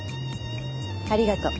ありがとう。